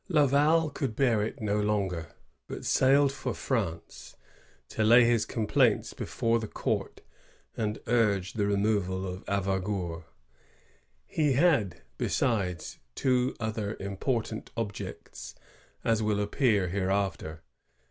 Laval could bear it no longer, but sailed for France, to lay his complaints before the court, and urge the removal of Avaugour. He had, besides, two other important objects, as will appear hereafter.